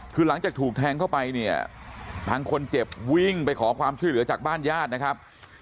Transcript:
คือหลังจากถูกแทงเข้าไปเนี่ยทางคนเจ็บวิ่งไปขอความช่วยเหลือจากบ้านญาตินะครับ